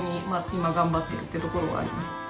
今頑張ってるってところがありますね。